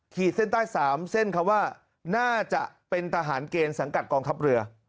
ขีดเส้นใต้๓เส้นคำว่าน่าจะเป็นทหารเกณฑ์สังกัดกองทัพเรือ